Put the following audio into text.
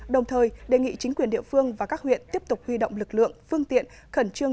đồng thời đề nghị chính quyền địa phương và các huyện tiếp tục huy động lực lượng phương tiện khẩn trương